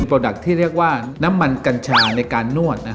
ดักต์ที่เรียกว่าน้ำมันกัญชาในการนวด